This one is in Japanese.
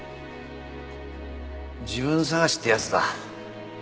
自分探しってやつだ。